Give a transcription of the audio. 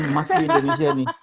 mas di indonesia nih